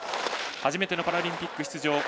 初めてのパラリンピック出場。